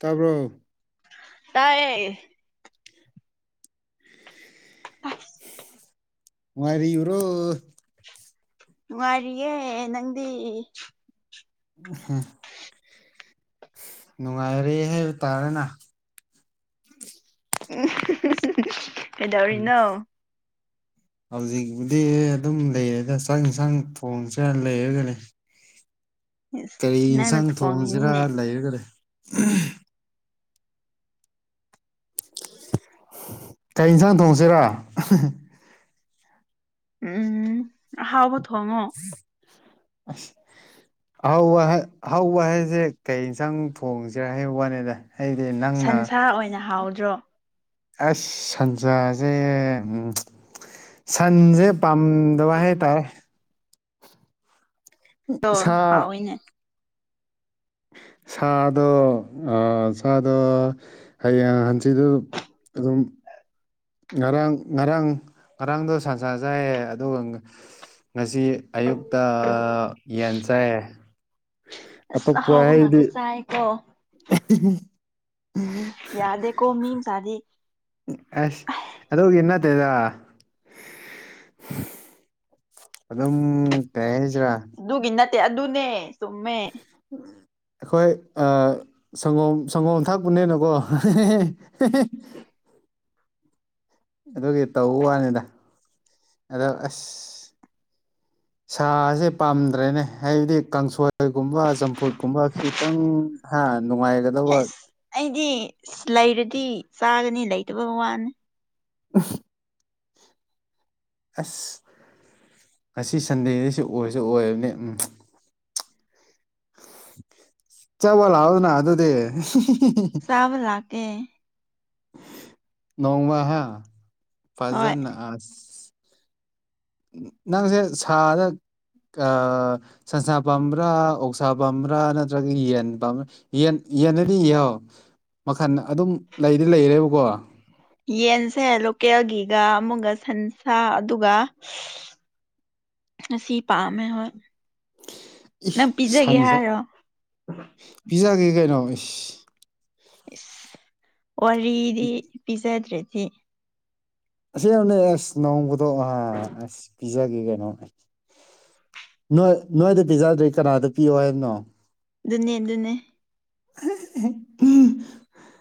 ꯇꯥꯕ꯭ꯔ‌ꯣ ꯇꯥꯏꯌꯦ ꯑꯁ ꯅꯨꯉꯥꯏꯔꯤꯔꯣ ꯅꯨꯡꯉꯥꯏꯔꯤꯌꯦ ꯅꯪꯗꯤ ꯎꯝꯍꯨꯝ ꯅꯨꯡꯉꯥꯏꯔꯦ ꯍꯥꯏꯕ ꯇꯥꯔꯦꯅꯥ ꯎꯝ ꯀꯩꯗꯧꯔꯤꯅꯣ ꯍꯧꯖꯤꯛꯄꯨꯗꯤ ꯑꯗꯨꯝ ꯂꯩꯔꯦꯗ ꯆꯥꯛ ꯏꯟꯁꯥꯡ ꯊꯣꯡꯁ‌ꯦꯔꯥ ꯂꯩꯔꯒꯅꯦ ꯏꯁ ꯀꯔꯤ ꯅꯪꯅ ꯌꯦꯟꯁꯥꯡ ꯊꯣꯡꯁꯤꯔꯥ ꯊꯣꯡꯉꯤꯅꯤꯅꯦ ꯂꯩꯔꯒꯗꯤ ꯀꯩ ꯌꯦꯟꯁꯥꯡ ꯊꯣꯡꯉꯁꯤꯔꯣ ꯎꯝ ꯑꯍꯥꯎꯕ ꯊꯣꯡꯉꯣ ꯑꯁ ꯑꯍ ꯍꯍꯧꯕ ꯍꯥꯏꯁꯦ ꯀꯩ ꯌꯦꯟꯁꯥꯡ ꯊꯣꯡꯁꯤꯔꯥ ꯍꯥꯏ ꯋꯥꯅꯤꯗ ꯑꯩꯗꯤ ꯅꯪꯅ ꯁꯟꯁꯥ ꯑꯣꯏꯅ ꯍꯥꯎꯗ꯭ꯔꯣ ꯑꯁ ꯁꯥꯟꯖꯥꯁꯦ ꯎꯝ ꯁꯟꯖꯦ ꯄꯝꯗ ꯋꯥꯍꯦ ꯇꯥꯏ ꯑꯗꯣ ꯁꯥ ꯍꯥꯎꯋꯤꯅꯦ ꯁꯥꯗꯣ ꯁꯥꯗꯣ ꯍꯌꯦꯡ ꯍꯟꯆꯤꯗꯨ ꯑꯗꯨꯝ ꯉꯔꯥꯡ ꯉꯔꯥꯡ ꯉꯔꯥꯡꯗꯣ ꯁꯟꯁꯖꯥꯏꯌꯦ ꯑꯗꯨꯒ ꯉꯁꯤ ꯑꯌꯨꯛꯇ ꯌꯦꯟ ꯆꯥꯏ ꯑ ꯍꯥꯎꯕ ꯉꯗ ꯆꯥꯏꯀꯣ ꯌꯥꯗꯦꯀꯣ ꯃꯤ ꯁꯥꯗꯤ ꯎ ꯑꯁ ꯑꯗꯨꯒꯤ ꯅꯠꯇꯦꯗ ꯑꯗꯨꯝ ꯀꯩꯁ ꯑꯗꯨꯒꯤ ꯅꯠꯇꯦ ꯑꯗꯨꯅꯦ ꯆꯨꯝꯃꯦ ꯎꯝ ꯑꯩꯈꯣꯏ ꯁꯪꯒꯣꯝ ꯁꯪꯒꯣꯝ ꯊꯥꯛꯄꯅꯦꯅꯀꯣ ꯑꯗꯨꯒꯤ ꯇꯧꯕ ꯋꯥꯅꯤꯗ ꯑꯗꯣ ꯑꯁ ꯁꯥꯁꯦ ꯄꯥꯝꯗ꯭ꯔꯦꯅꯦ ꯍꯥꯏꯕꯗꯤ ꯀꯥꯡꯁꯣꯏꯒꯨꯝꯕ ꯆꯝꯐꯨꯠꯀꯨꯝꯕ ꯈꯤꯇꯪ ꯍꯥꯏ ꯑꯦ ꯑꯩꯗꯤ ꯂꯩꯔꯗꯤ ꯆꯥꯒꯅꯤ ꯂꯩꯇꯕ ꯋꯥꯅꯤ ꯑꯁ ꯑꯁꯤ ꯁꯟꯗꯦꯗꯩꯁꯨ ꯑꯣꯏꯔꯁꯨ ꯑꯣꯏꯕꯅꯤ ꯎꯝ ꯆꯕꯂ ꯍꯥꯎꯗꯅ ꯑꯗꯨꯗꯤ ꯁꯥꯕ ꯂꯥꯛꯀꯦ ꯅꯣꯡꯋꯥ ꯍꯣꯏ ꯐꯖꯅ ꯑꯁ ꯅꯪꯁꯦ ꯁꯥꯗ ꯁꯟꯁꯥ ꯄꯥꯝꯕ꯭ꯔꯥ ꯑꯣꯛꯁꯥ ꯄꯥꯝꯕ꯭ꯔꯥ ꯅꯠꯇ꯭ꯔꯒ ꯌꯦꯟ ꯄꯥꯝꯕ꯭ꯔꯥ ꯌꯦꯟ ꯌꯦꯟꯅꯗꯤ ꯌꯦꯣ ꯃꯈꯟ ꯑꯗꯨꯝ ꯂꯩꯗꯤ ꯂꯩꯔꯦꯕꯀꯣ ꯌꯦꯟꯁꯦ ꯂꯣꯀꯦꯜꯒꯤꯒ ꯑꯃꯨꯛꯒ ꯁꯟꯁꯥ ꯑꯗꯨꯒ ꯁꯤ ꯄꯥꯝꯃꯦ ꯍꯣꯏ ꯏ ꯅ ꯄꯤꯖꯒꯦ ꯁꯟꯁ ꯍꯥꯏꯔꯣ ꯀ ꯀꯩꯅꯩꯅꯣ ꯏ ꯏꯁ ꯋꯥꯔꯤꯗꯤ ꯄꯤꯖꯗ꯭ꯔꯦꯗꯤ ꯁ ꯑꯦꯁ ꯅꯣꯡ ꯀꯗꯁ ꯄꯤꯖꯒꯦ ꯀꯩꯅꯣꯅꯦ ꯅꯣꯏꯗ ꯄꯤꯖꯗ꯭ꯔꯦ ꯀꯅꯥꯗ ꯄꯤꯌꯣ ꯍꯥꯏꯕꯅꯣ ꯑꯗꯨꯟꯅꯦ ꯑꯗꯨꯟꯅꯦ [inaudible]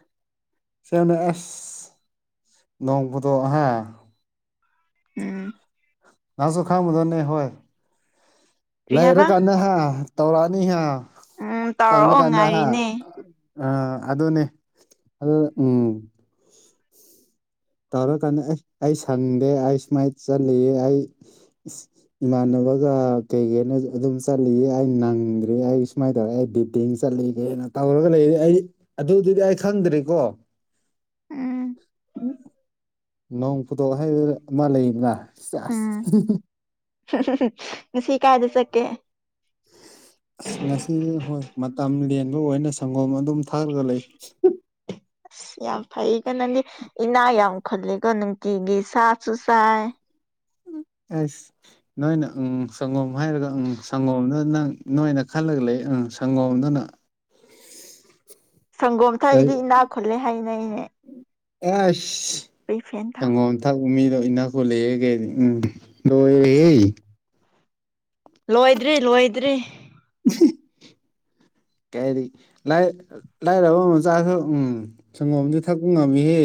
ꯁꯅ ꯑꯁ ꯅꯣꯡꯄꯗ ꯍꯥꯏ ꯎꯝ ꯉꯁꯨ ꯈꯥꯗ ꯅ ꯍꯣꯏ ꯀ꯭ꯔꯤ ꯂꯩꯔ ꯍꯥꯏꯕ ꯀꯥꯟꯗ ꯍꯥ ꯇꯧꯔꯛꯑꯅꯤꯍ ꯎꯝ ꯄꯪꯅ ꯇꯧꯔꯛꯑꯣ ꯀꯗ ꯍꯥꯏ ꯉꯥꯏꯔꯤꯅꯦ ꯑ ꯑꯗꯨꯅꯦ ꯑꯗꯨ ꯎꯝ ꯇꯧꯔꯀꯥꯟꯗ ꯑꯩ ꯁꯪꯗꯦ ꯑꯩ ꯁꯨꯃꯥꯏꯅ ꯆꯠꯂꯤꯌꯦ ꯑꯩ ꯏꯃꯥꯟꯅꯕ ꯑꯃꯒ ꯀꯩꯒꯦꯅ ꯑꯗꯨꯝ ꯆꯠꯂꯤꯌꯦ ꯑꯩ ꯅꯪꯗ꯭ꯔꯔꯤ ꯑꯩ ꯁꯨꯃꯥꯏꯅ ꯇꯧꯔꯦ ꯑꯩ ꯕꯤꯇꯡ ꯆꯠꯂꯤꯒꯦꯅ ꯇꯧꯔꯒ ꯂꯩ ꯑꯩ ꯑꯗꯨꯗꯨꯗꯤ ꯑꯩ ꯈꯪꯗ꯭ꯔꯤꯀꯣ ꯎꯝ ꯅꯣꯡ ꯐꯨꯗꯣꯛ ꯍꯥꯏꯕ ꯑꯃ ꯂꯩꯗꯅ ꯎꯝ ꯉꯁꯤ ꯀꯥꯏꯗ ꯆꯛꯀꯦ ꯑꯁ ꯉꯁꯤꯗꯤ ꯍꯣꯏ ꯃꯇꯝ ꯂꯦꯟꯕ ꯑꯣꯏꯅ ꯁꯪꯒꯣꯝ ꯑꯗꯨꯝ ꯊꯥꯛꯑꯒ ꯂꯩ ꯑ ꯌꯥꯝ ꯐꯩ ꯀꯣ ꯅꯪꯗꯤ ꯏꯅꯥ ꯌꯥꯝ ꯈꯨꯜꯂꯦꯀꯣ ꯅꯨꯡꯇꯤꯒꯤ ꯁꯥꯁꯨ ꯆꯥꯏ [inaudible] ꯑꯁ ꯅꯣꯏꯅ ꯎꯪ ꯁꯪꯒꯣꯝ ꯍꯥꯏꯔꯒ ꯎꯪ ꯁꯪꯒꯣꯝꯗ ꯅꯪ ꯅꯣꯏꯅ ꯈꯜꯂꯒ ꯂꯩ ꯎꯪ ꯁꯪꯒꯣꯝꯗꯨꯅ ꯁꯪꯒꯣꯝ ꯀꯩ ꯊꯛꯑꯗꯤ ꯏꯅꯥꯛ ꯈꯨꯠꯂꯦ ꯍꯥꯏꯅꯦ ꯑꯁ ꯁꯪꯒꯣꯝ ꯊꯛꯄ ꯃꯤꯗꯣ ꯏꯤꯅꯥꯛ ꯈꯨꯜꯂꯦꯌꯦ ꯀꯩ ꯎꯝ ꯂꯣꯢꯔꯦꯍꯦ ꯂꯣꯏꯗ꯭ꯔꯤ ꯂꯣꯏꯗ꯭ꯔꯤ [unintelligible] ꯀꯔꯤ ꯂꯥꯢ ꯂꯥꯏꯔꯕ ꯃꯆꯥꯁꯨ ꯎꯝ ꯁꯪꯒꯣꯝꯗꯤ ꯊꯛꯄ ꯉꯝꯃꯤꯍꯦ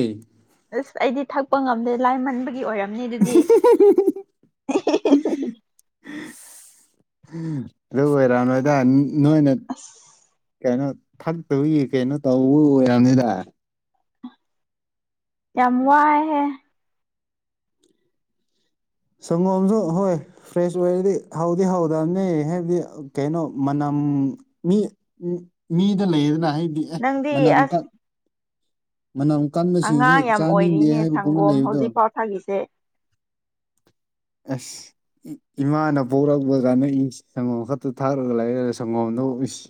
ꯑꯁ ꯑꯩꯗꯤ ꯊꯛꯄ ꯉꯝꯗꯦ ꯂꯥꯏꯔꯃꯟꯕꯒꯤ ꯑꯣꯏꯔ ꯅꯤ ꯑꯗꯨꯗꯤ ꯑꯗꯨ ꯑꯣꯏꯔꯃꯣꯢꯗ ꯅꯣꯏꯅ ꯑꯁ ꯀꯩꯅꯣ ꯊꯛꯇꯕꯒꯤ ꯀꯩꯅꯣ ꯇꯧꯕ ꯑꯣꯏꯔꯝꯅꯤꯗ ꯌꯥꯝꯋꯥꯢꯍꯦ ꯁꯪꯒꯣꯝꯖꯨ ꯍꯣꯏ ꯐ꯭ꯔꯦꯁ ꯑꯣꯏꯔꯗꯤ ꯍꯧꯗꯤ ꯍꯧꯗꯝꯅꯦ ꯍꯥꯏꯗꯤ ꯀꯩꯅꯣ ꯃꯅꯝ ꯎꯝ ꯃꯤ ꯃꯤꯗ ꯂꯩꯌꯦꯗꯅ ꯍꯥꯏꯗꯤ ꯑꯦ ꯅꯪꯗꯤ ꯑꯁ ꯃꯅꯝꯀꯟ ꯃꯅꯝ ꯀꯟꯕꯁꯤꯡꯁꯦ ꯑꯉꯥꯡ ꯌꯥꯝ ꯆꯥꯅꯤꯡꯗꯦ ꯑꯣꯏꯔꯤꯅꯦ ꯍꯥꯏꯕꯒꯨꯝꯕ ꯁꯪꯒꯣꯝ ꯂꯩꯕꯗꯣ ꯍꯧꯖꯤꯛꯐꯥꯎ ꯊꯥꯒꯤꯁꯦ ꯑꯁ ꯏꯃꯥꯅ ꯄꯣꯔꯛꯄ ꯒꯥꯟꯅꯏ ꯁꯪꯒꯣꯝ ꯈꯛꯇ ꯊꯥꯛꯔꯒ ꯂꯥꯛꯑꯦ ꯁꯪꯒꯣꯝ ꯂꯧ ꯏꯤꯁ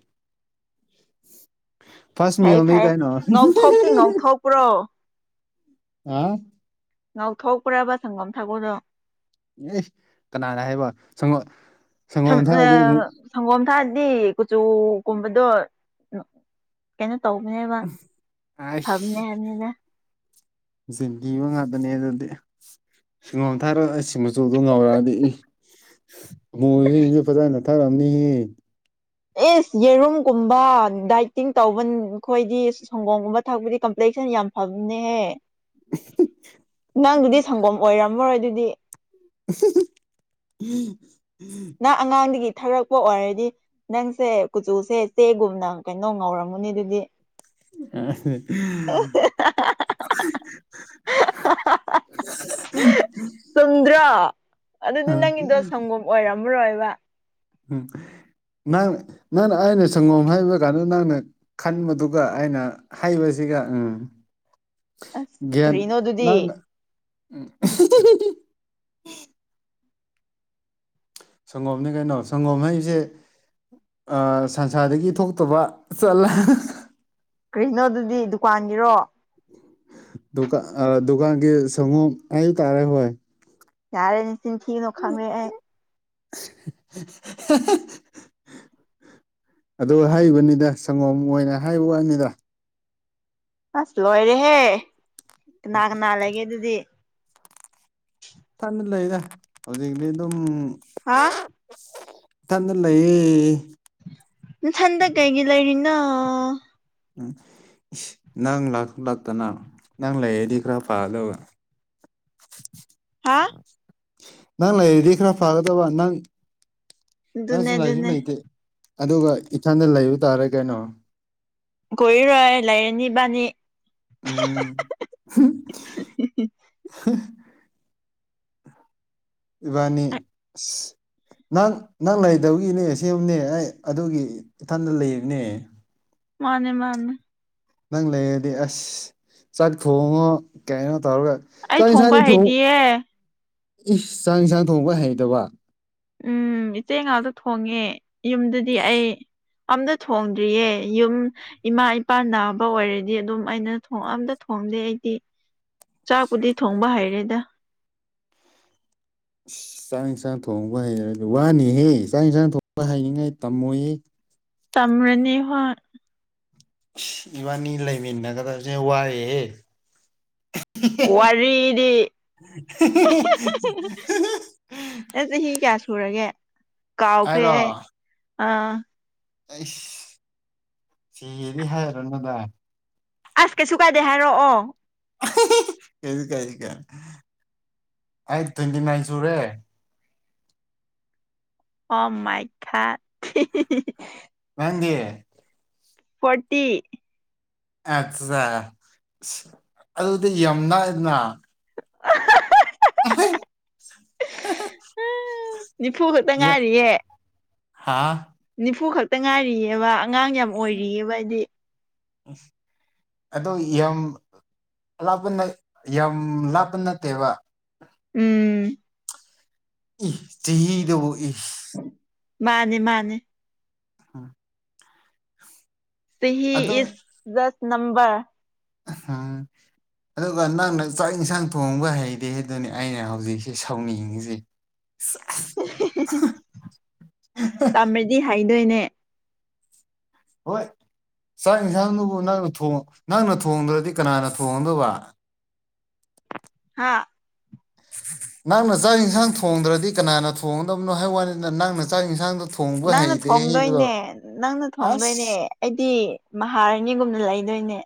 ꯐꯁ ꯃꯤ ꯐꯩ ꯑꯣꯗ ꯐꯩ ꯀꯩꯅꯣ ꯉꯧꯊꯣꯛꯇꯤ ꯉꯧꯊꯣꯛꯄ꯭ꯔꯣ ꯑ ꯉꯥꯎꯊꯣꯛꯄ꯭ꯔꯕ ꯁꯪꯒꯣꯝ ꯊꯥꯛꯕꯗꯣ ꯑꯦ ꯀꯅꯥꯅ ꯍꯥꯏꯕ ꯁꯪꯉꯣ ꯑ ꯁꯒꯣꯝ ꯗꯤ ꯀꯨꯆꯨ ꯀꯨꯝꯕꯗꯣ ꯀꯩꯅꯣ ꯇꯧꯕꯅꯦꯕ ꯐꯕꯅꯦ ꯍꯥꯏꯕꯅꯤꯅ ꯖꯦꯟꯗꯤꯕ ꯉꯥꯗꯅꯦ ꯑꯗꯨꯗꯤ ꯁꯤꯡꯒꯣꯝ ꯊꯥꯑꯔꯣꯢ ꯑꯩꯁ ꯃꯆꯨꯗꯣ ꯉꯧꯔꯛꯑꯗꯤ ꯏ ꯃꯨꯕ ꯃꯤꯖꯤꯡꯖꯤ ꯐꯖꯅ ꯊꯛꯑꯝꯅꯤꯍꯦ ꯑꯤꯁ ꯌꯦꯔꯨꯝꯒꯨꯝꯕ ꯗꯥꯏꯇꯤꯡ ꯇꯧꯕ ꯑꯩꯈꯣꯏꯗꯤ ꯁꯪꯒꯣꯝꯒꯨꯝꯕ ꯊꯛꯄꯗꯤ ꯀꯝꯄ꯭ꯂꯦꯛ ꯁꯟ ꯌꯥꯝ ꯐꯕꯟꯅꯦꯍꯦ ꯅꯪꯗꯨꯗꯤ ꯁꯪꯒꯣꯝ ꯑꯣꯏꯔꯝꯃꯔꯣꯏ ꯑꯗꯨꯗꯤ [inaudible] ꯅ ꯑꯉꯥꯡꯗꯒꯤ ꯊꯥꯔꯛꯄ ꯑꯣꯏꯔꯗꯤ ꯅꯪꯁꯦ ꯀꯨꯆꯨꯁꯦ ꯆꯦ ꯒꯨꯝꯅ ꯀꯩꯅꯣ ꯉꯧꯔꯝꯒꯅꯤ ꯑꯗꯨꯗꯤ [inaudible] [inaudible] ꯆꯨꯝꯗ꯭ꯔꯣ ꯑꯗꯨꯗꯤ ꯅꯪꯒꯤꯗꯣ ꯁꯪꯒꯣꯝ ꯑꯣꯏꯔꯝꯃꯔꯣꯏꯕ ꯎꯝ ꯅꯪ ꯅꯪꯅ ꯑꯩꯅ ꯁꯪꯒꯣꯝ ꯍꯥꯏꯕ ꯀꯥꯟꯗ ꯅꯪꯅ ꯈꯟꯕꯗꯨꯒ ꯑꯩꯅ ꯍꯥꯏꯕꯁꯤ ꯒ ꯎꯝ ꯑꯁ ꯒ꯭ꯌꯥꯟ ꯀꯔꯤꯅꯣꯗꯨꯗꯤ ꯅꯪꯅ [inaudible] ꯁꯪꯒꯣꯝꯅꯦ ꯀꯩꯅꯣ ꯁꯪꯒꯣꯝ ꯍꯥꯏꯖꯦ ꯁꯟꯁꯥꯗꯒꯤ ꯊꯣꯛꯇꯕ ꯆꯠꯂꯦ ꯀ꯭ꯔꯤꯅꯣꯗꯨꯗꯤ ꯗꯨꯀꯥꯟꯒꯤꯔꯣ ꯗꯨꯀꯥꯟ ꯑ ꯗꯨꯀꯥꯟꯒꯤ ꯁꯪꯒꯣꯝ ꯑꯕ ꯇꯥꯔꯦ ꯍꯣꯏ ꯌꯥꯔꯦ ꯅꯆꯤꯟ ꯊꯤꯒꯅꯣ ꯈꯪꯔꯦ [unintelligible] ꯑꯗꯨ ꯍꯥꯏꯕꯅꯤꯗ ꯁꯪꯒꯣꯝ ꯑꯣꯏꯅ ꯍꯥꯏꯕ ꯋꯥꯅꯤꯗ ꯑꯁ ꯂꯣꯏꯔꯦꯍꯦ ꯀꯅꯥ ꯀꯅꯥ ꯂꯩꯒꯦ ꯑꯗꯨꯗꯤ ꯍꯧꯖꯤꯛꯗꯤ ꯑꯗꯨꯝ ꯍꯥ ꯇꯟꯅ ꯂꯩꯑꯦ ꯅꯊꯟꯗ ꯀꯩꯒꯤ ꯂꯩꯔꯤꯅꯣ ꯎꯝ ꯏꯁ ꯅꯪ ꯂꯥꯛꯇꯅ ꯅꯪ ꯂꯩꯔꯗꯤ ꯈꯔ ꯄꯥꯗꯕ ꯍꯥ ꯅꯪ ꯂꯩꯔꯤꯗꯤ ꯈꯔ ꯐꯒꯗꯕ ꯅꯪ ꯑꯗꯨꯅꯦ ꯅꯪꯁꯨ ꯂꯥꯏꯔꯤꯁꯨ ꯑꯗꯨꯅꯦ ꯂꯩꯇꯦ ꯑꯗꯨꯒ ꯏꯊꯟꯗ ꯂꯩꯕ ꯇꯥꯔꯦ ꯀꯩꯅꯣ ꯀꯣꯏꯔꯣꯏ ꯂꯩꯥꯏꯔꯅꯤꯕꯥꯅꯤ ꯎꯝ ꯏꯕꯥꯅꯤ ꯅꯪ ꯅꯪ ꯂꯩꯗꯕꯒꯤꯅꯦ ꯁꯦꯝꯅꯦ ꯑꯩ ꯑꯗꯨꯒꯤ ꯏꯊꯟꯗ ꯂꯩꯕꯅꯦ ꯃꯥꯅꯦ ꯃꯥꯅꯦ ꯅꯪ ꯂꯩꯔꯗꯤ ꯑꯁ ꯆꯥꯛ ꯊꯣꯡꯉꯣ ꯀꯩꯅꯣ ꯇꯧꯔꯒ ꯑꯩ ꯆꯥꯛ ꯊꯣꯡꯕ ꯌꯦꯟꯁꯥꯡꯗꯤ ꯊꯣꯡ ꯍꯩꯇꯤꯌꯦ ꯏꯁ ꯆꯥꯛ ꯌꯦꯟꯁꯥꯡ ꯊꯣꯡꯕ ꯍꯩꯇꯕ ꯎꯝ ꯏꯆꯦ ꯉꯥꯛꯇ ꯊꯣꯡꯉꯦ ꯌꯨꯝꯗꯗꯤ ꯑꯩ ꯑꯝꯇ ꯊꯣꯡꯗ꯭ꯔꯤꯌꯦ ꯌꯨꯝ ꯏꯃꯥ ꯏꯄꯥꯥꯟ ꯅꯥꯕ ꯑꯣꯏꯔꯗꯤ ꯑꯗꯨꯝ ꯑꯩꯅ ꯊ ꯑꯝꯇ ꯊ ꯑꯩꯗꯤ ꯆꯥꯛꯄꯨꯗꯤ ꯊꯣꯡꯕ ꯍꯩꯔꯦꯗ ꯆꯥꯛ ꯌꯦꯟꯁꯥꯡ ꯊꯣꯡꯕ ꯍꯩꯔꯒꯦ ꯋꯥꯅꯤꯍꯦ ꯆꯥꯛ ꯌꯦꯟꯁꯥꯡ ꯊꯣꯡꯕ ꯍꯩꯅꯤꯡꯉꯥꯏ ꯇꯝꯃꯣꯏꯍ ꯇꯝꯔꯤꯅꯦ ꯍꯣꯏ ꯏꯕꯥꯅꯤ ꯂꯩꯃꯤꯟꯅꯒꯗꯕꯁꯦ ꯋꯥꯏꯑꯦꯍꯦ ꯋꯥꯤꯗꯤ ꯑꯦꯁ ꯆꯍꯤ ꯀꯌꯥ ꯁꯨꯔꯒꯦ ꯀꯥꯎꯈ꯭ꯔꯦ ꯍꯥꯏꯔꯣ ꯑꯥ ꯑꯩꯁ ꯁꯤꯗꯤ ꯍꯥꯏꯔꯅꯨꯗ ꯑꯁ ꯀꯩꯁꯨ ꯀꯥꯏꯗꯦ ꯍꯥꯏꯔꯛꯑꯣ [unintelligible] ꯀꯩꯅꯣ ꯑꯩ ꯇ꯭ꯋꯦꯟꯇꯤ ꯅꯥꯏꯟ ꯁꯨꯔꯦ ꯑꯣ ꯃꯥꯏꯈꯥ ꯅꯪꯒꯤ ꯐꯇꯤ ꯑꯠꯆꯥ ꯑꯗꯨꯗꯤ ꯌꯥꯝ ꯅꯥꯛꯏꯅ [unintelligible] ꯑ ꯎ ꯅꯤꯐꯨ ꯈꯛꯇ ꯉꯥꯏꯔꯤꯌꯦꯦ ꯍꯥ ꯅꯤꯐꯨ ꯈꯛꯇ ꯛꯇ ꯉꯥꯏꯔꯤꯑꯕ ꯑꯉꯥꯡ ꯌꯥꯝ ꯑꯣꯏꯔꯤꯑꯕ ꯍꯥꯏꯗꯤ ꯑꯗꯣ ꯌꯥꯝ ꯂꯥꯞꯄꯅ ꯌꯥꯝ ꯂꯥꯞꯄ ꯅꯠꯇꯦꯕ ꯎꯝ ꯏ ꯆꯍꯤꯗꯕꯨ ꯏꯁ ꯃꯥꯅꯦ ꯃꯥꯅꯦ ꯑꯝ ꯆꯍꯤꯍꯤ ꯏꯁ ꯗꯁ ꯅꯝꯝꯕꯔ ꯍꯥꯥ ꯑꯗꯨꯒ ꯅꯪꯅ ꯆꯥꯛ ꯏꯟꯁꯥꯡ ꯊꯣꯡꯕ ꯍꯩꯇꯦ ꯑꯗꯨꯅꯤ ꯑꯩꯅ ꯍꯧꯖꯤꯛꯁꯦ ꯁꯥꯎꯅꯤꯡꯉꯤꯁꯦ ꯇꯝꯃꯗꯤ ꯍꯥꯏꯗꯣꯏꯅꯦ ꯍꯣꯏ ꯆꯥꯛ ꯌꯦꯟꯁꯥꯡꯗꯨꯕꯨ ꯅꯪꯅ ꯅꯪꯅ ꯊꯣꯡꯗ꯭ꯔꯗꯤ ꯀꯅꯥꯅ ꯊꯣꯡꯉꯗꯕ ꯍꯥꯥ ꯅꯪꯅ ꯆꯥꯛ ꯏꯟꯁꯥꯡ ꯊꯣꯡꯗ꯭ꯔꯗꯤ ꯀꯅꯥꯅ ꯊꯣꯡꯒꯗꯕꯅꯣ ꯍꯥꯏ ꯋꯥꯅꯦꯗ ꯅꯪꯅ ꯆꯥꯛ ꯏꯟꯁꯥꯡꯗꯣ ꯅꯪꯅ ꯊꯣꯡꯗꯣꯏꯅꯦ ꯅꯪꯅ ꯊꯣꯡꯗꯣꯏꯅꯦ ꯑꯁ ꯑꯩꯗꯤ ꯃꯍꯥꯔꯥꯅꯤꯒꯨꯝꯅ ꯂꯩꯗꯣꯏꯅꯦ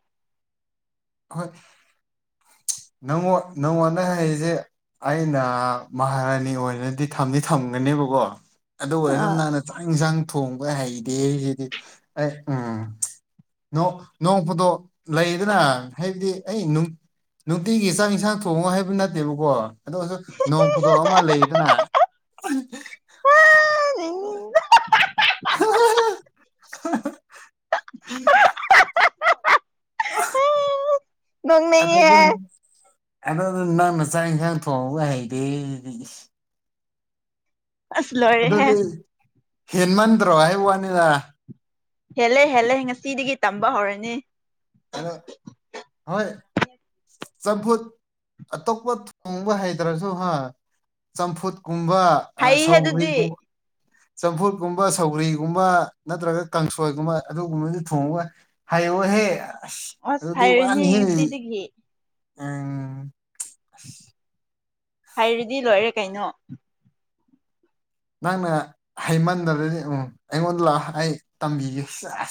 ꯍꯣꯏ ꯅꯪꯉꯣ ꯅꯪꯉꯣꯟꯗ ꯍꯥꯏꯔꯤꯖꯦ ꯑꯩꯅ ꯃꯍꯥꯔꯥꯅꯤ ꯑꯣꯏꯅꯗꯤ ꯊꯝꯗꯤ ꯊꯝꯒꯅꯦꯕꯀꯣ ꯑꯗꯨ ꯑꯣꯏꯔꯖꯨ ꯑꯥ ꯅꯪꯅ ꯆꯥꯛ ꯏꯟꯖꯥꯡ ꯊꯣꯡꯕ ꯍꯩꯗꯦ ꯁꯤꯗꯤ ꯑꯩ ꯎꯝ ꯅꯣꯛ ꯅꯣꯡꯄꯗꯣꯛ ꯂꯩꯗꯅ ꯍꯥꯏꯕꯗꯤ ꯑꯩꯅ ꯅꯨꯡ ꯅꯨꯡꯇꯤꯒꯤ ꯆꯥꯛ ꯏꯟꯁꯥꯡ ꯊꯣꯡꯉꯨ ꯍꯥꯏꯕ ꯅꯠꯇꯦꯕꯀꯣ ꯑꯗꯣꯁꯨ ꯅꯣꯡ ꯐꯗꯣꯛ ꯑꯃ ꯂꯩꯗꯅ [unintelligible] [unintelligible] ꯑꯍ ꯅꯣꯛꯅꯤꯡꯉꯦ ꯑꯩ ꯑꯗꯨꯗꯣ ꯅꯪꯅ ꯆꯥꯡ ꯏꯟꯁꯥꯡ ꯊꯣꯡꯕ ꯍꯩꯗꯦ ꯁꯤꯗꯤ ꯏꯁ ꯑꯁ ꯂꯣꯏꯔꯦꯍꯦ ꯍꯦꯟ ꯃꯟꯗ꯭ꯔꯣ ꯍꯥꯏ ꯋꯥꯅꯤꯗ ꯍꯦꯜꯂꯦ ꯍꯦꯜꯂꯦ ꯉꯁꯤꯗꯒꯤ ꯇꯝꯕ ꯍꯧꯔꯅꯤ ꯑꯗꯣ ꯍꯣꯏ ꯆꯝꯐꯨꯠ ꯑꯇꯣꯞꯄ ꯊꯣꯡꯕ ꯍꯩꯇ꯭ꯔꯁꯨ ꯍꯥ ꯆꯝꯐꯨꯠ ꯀꯨꯝꯕ ꯑ ꯍꯩꯍꯦ ꯑꯗꯨꯗꯤ ꯁꯧꯒ꯭ꯔꯤꯒꯨꯝ ꯆꯝꯐꯨꯠꯀꯨꯝꯕ ꯁꯧꯒ꯭ꯔꯤꯒꯨꯝꯕ ꯅꯠꯇ꯭ꯔꯒ ꯀꯪꯁꯣꯏꯒꯨꯝꯕ ꯑꯗꯨꯒꯨꯝꯕꯗꯣ ꯊꯣꯡꯕ ꯍꯩꯌꯣꯍꯦ ꯑꯁ ꯑꯗꯨꯗꯤ ꯋꯥꯅꯤ ꯍꯩꯔꯅꯤ ꯍꯦ ꯉꯁꯤꯗꯒꯤ ꯑꯪ ꯑꯁ ꯍꯩꯔꯗꯤ ꯂꯣꯏꯔꯦ ꯀꯩꯅꯣ ꯅꯪꯅ ꯍꯩꯃꯟꯗꯔꯗꯤ ꯎꯝ ꯑꯩꯉꯣꯟꯗ ꯂꯥꯛꯑꯣ ꯑꯩ ꯇꯝꯕꯤꯒꯦ ꯁꯦꯁ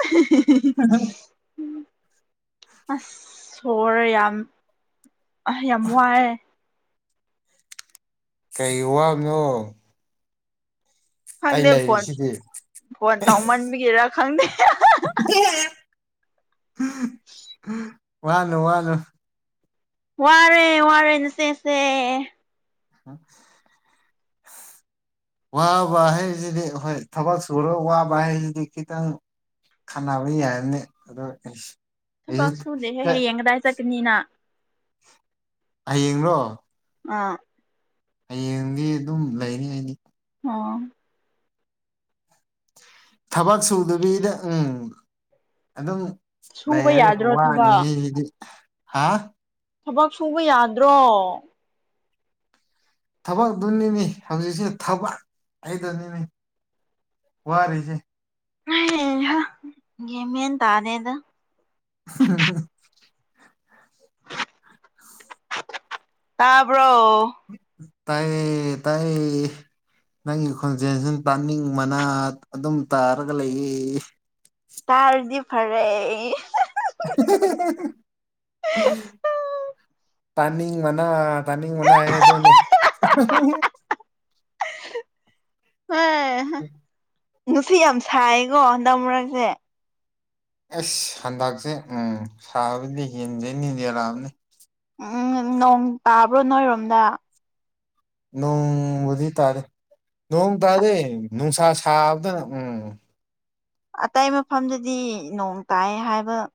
[unintelligible] ꯑꯁ ꯁꯣꯔ ꯌꯥꯝ ꯑ ꯌꯥꯝ ꯋꯥꯌꯦ ꯀꯩ ꯋꯥꯕꯅꯣ ꯑꯩ ꯈꯪꯗꯦ ꯐꯣꯟ ꯂꯩꯔꯤꯁꯤꯗꯤ ꯐꯣꯟ ꯇꯧꯃꯟꯕꯒꯤꯔꯥ ꯈꯪꯗꯦ ꯋꯥꯅꯣ ꯋꯥꯅꯣ ꯋꯥꯔꯦ ꯋꯥꯔꯦ ꯅꯆꯦꯁꯦ [inaudible] ꯋꯥꯕ ꯍꯥꯏꯁꯤꯗꯤ ꯍꯣꯏ ꯊꯕꯛ ꯁꯨꯔꯥ ꯋꯥꯕ ꯍꯥꯏꯁꯤꯗꯤ ꯈꯤꯇꯪ ꯈꯟꯅꯕ ꯌꯥꯔꯅꯤ ꯑꯗꯣ ꯑꯁ ꯊꯕꯛ ꯁꯨꯗꯦꯍꯦ ꯍꯌꯦꯡ ꯀꯗꯥꯏ ꯆꯠꯀꯅꯤꯅ ꯍꯌꯦꯡꯔꯣ ꯑꯥ ꯍꯌꯦꯡꯗꯤ ꯑꯗꯨꯝ ꯂꯩꯅꯤ ꯑꯩꯗꯤ ꯑꯣ ꯊꯕꯛ ꯁꯨꯗꯕꯤꯗ ꯎꯝ ꯑꯗꯨꯝ ꯁꯨꯕ ꯂꯩꯔꯒ ꯌꯥꯗ꯭ꯔꯣ ꯋꯥꯅꯤꯍꯦ ꯊꯕꯛ ꯖꯤꯗꯤ ꯍꯥ ꯊꯕꯛ ꯁꯨꯕ ꯌꯥꯗ꯭ꯔꯣ ꯊꯕꯛꯇꯨꯅꯤꯅꯦ ꯍꯧꯖꯤꯛꯁꯦ ꯊꯕꯛ ꯍꯥꯏꯗꯨꯅꯤꯅꯦ ꯋꯥꯔꯤꯖꯦ ꯍꯩꯍꯥ ꯒ꯭ꯌꯃꯦꯟ ꯇꯥꯗꯦꯗ [unintelligible] ꯇꯥꯕ꯭ꯔꯣ ꯇꯥꯏꯌꯦ ꯇꯥꯏꯌꯦ ꯅꯪꯒꯤ ꯈꯣꯟꯖꯦꯟꯁꯤꯅ ꯇꯥꯅꯤꯡ ꯕꯅ ꯑꯗꯨꯝ ꯇꯥꯔꯒ ꯂꯩꯌꯦ ꯇꯥꯔꯗꯤ ꯐꯔꯦ [unintelligible] ꯇꯥꯅꯤꯡꯕꯅ ꯇꯥꯅꯤꯡꯕꯅ ꯑꯩ ꯑꯗꯨꯅꯤ ꯍꯩꯍꯥ [inaudible] ꯅꯨꯡꯁꯤꯠ ꯌꯥꯝ ꯁꯥꯏꯀꯣ ꯍꯟꯗꯛ ꯃꯔꯛꯁꯦ ꯑꯩꯁ ꯍꯟꯗꯛꯁꯦ ꯎꯝ ꯁꯥꯕꯗꯤ ꯍꯦꯟꯁꯦꯖꯂꯛꯑꯕꯅꯤ ꯎꯝ ꯅꯣꯡ ꯇꯥꯕ꯭ꯔꯣ ꯅꯣꯏꯔꯣꯝꯗ ꯅꯣꯡ ꯎꯖꯤ ꯇꯥꯔꯦ ꯅꯣꯡ ꯇꯥꯗꯦ ꯅꯨꯡꯁꯥ ꯁꯥꯕꯗꯅ ꯎꯝ ꯑꯇꯩ ꯃꯐꯝꯗꯗꯤ ꯅꯣꯡ ꯇꯥꯏ ꯍꯥꯏꯕ